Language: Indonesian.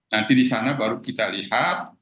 nanti di sana baru kita lihat